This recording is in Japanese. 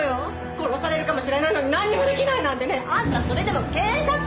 殺されるかもしれないのになんにもできないなんてねあんたそれでも警察なの？